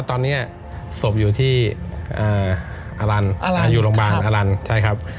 ตอนนี้ศพอยู่ที่อลันอยู่โรงพยาบาลอลันใช่ครับ